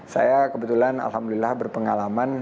saya kebetulan alhamdulillah berpengalaman